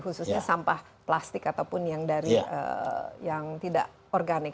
khususnya sampah plastik ataupun yang tidak organik